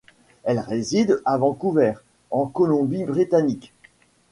Elle réside à Vancouver, en Colombie-Britannique.